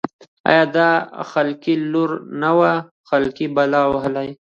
يا دا د خلقي لـور نه وای خـلقۍ بلا وهـلې.